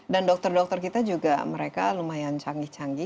dan dokter dokter kita juga mereka lumayan canggih canggih